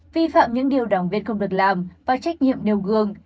vi phạm những điều đảng viên không được làm và trách nhiệm nêu gương